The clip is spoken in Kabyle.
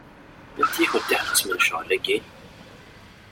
Anti i kent-iḥettmen ccɣel-agi?